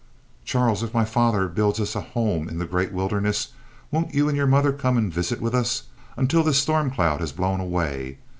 "Charles, if my father builds us a home in the great wilderness, won't you and your mother come and visit with us, until this storm cloud has blown away?